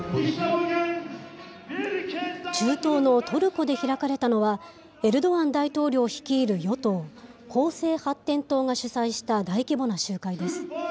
中東のトルコで開かれたのは、エルドアン大統領率いる与党・公正発展党が主催した大規模な集会です。